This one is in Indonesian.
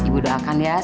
ya ya allah